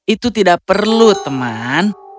itu tidak perlu teman